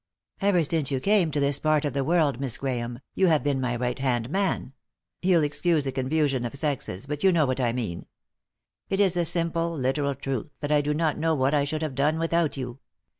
" Ever since you came to this part of the world, Miss Grahame, you have been my right hand man — you'll excuse the confusion of sexes, but you know what I mean. It is the simple, literal truth that I do not know what I should have done without you."